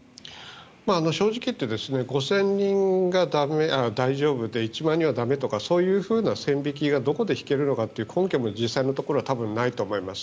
正直言って５０００人が大丈夫で１万人は駄目とかそういう線引きがどこで引けるのかという根拠も実際のところは多分ないと思います。